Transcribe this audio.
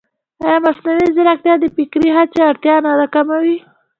ایا مصنوعي ځیرکتیا د فکري هڅې اړتیا نه راکموي؟